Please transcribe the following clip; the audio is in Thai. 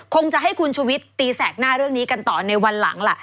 คงจะให้คุณชุวิตตีแสกหน้าเรื่องนี้กันต่อในวันหลังล่ะ